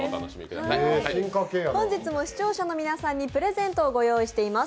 本日も視聴者の皆さんにプレゼントをご用意しています。